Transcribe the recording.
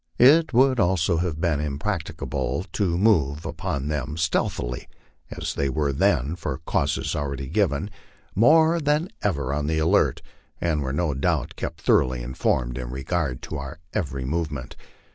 It would also have been impracticable to move upon them stealthily, as they were then, for causes already given, more than ever on the alert, and were no doubt kept thoroughly informed in regard to our every movement.